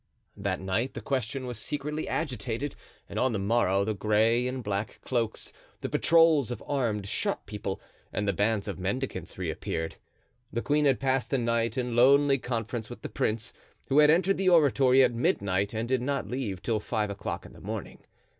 That night the question was secretly agitated and on the morrow the gray and black cloaks, the patrols of armed shop people, and the bands of mendicants reappeared. The queen had passed the night in lonely conference with the prince, who had entered the oratory at midnight and did not leave till five o'clock in the morning.